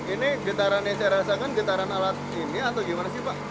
ini getaran yang saya rasakan getaran alat ini atau gimana sih pak